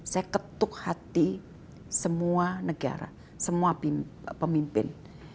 saya ketuk hati semua negara semua pemimpin